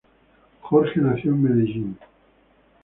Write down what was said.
Jorge nació en Medellín.